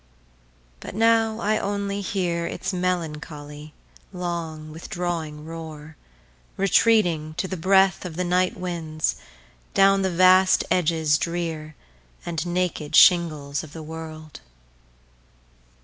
But now I only hearIts melancholy, long, withdrawing roar, Retreating, to the breathOf the night winds, down the vast edges drearAnd naked shingles of the world.